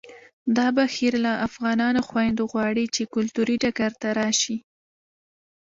دا بهیر له افغانو خویندو غواړي چې کلتوري ډګر ته راشي